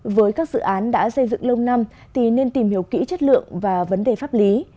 với các dự án đã xây dựng lâu năm thì nên tìm hiểu kỹ chất lượng và vấn đề pháp lý